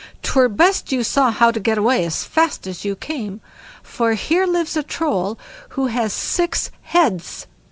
'Twere best you saw how to get away as fast as you came; for here lives a Troll, who has six heads."